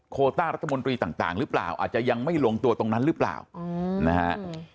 ต้ารัฐมนตรีต่างหรือเปล่าอาจจะยังไม่ลงตัวตรงนั้นหรือเปล่านะฮะ